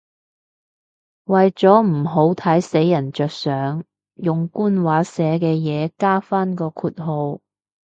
為咗唔好睇死人着想，用官話寫嘅嘢加返個括號